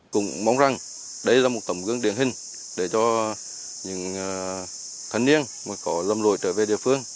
cũng mong rằng đây là một tầm gương điển hình để cho những thân niên có lâm lội trở về địa phương